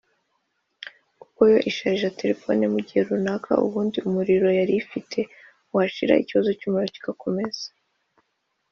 kuko yo isharija telefoni mu gihe runaka ubundi umuriro yari ifite washira ikibazo cy’umuriro kigakomeza